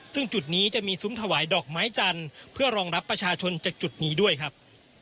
ซึ่งจุดนี้จะมีซุ้มถวายดอกไม้จันทร์เพื่อรองรับประชาชนจากจุดนี้ด้วยครับ